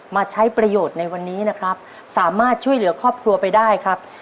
มาใช้ประโยชน์ในวันนี้นะครับสามารถช่วยเหลือครอบครัวไปได้ครับ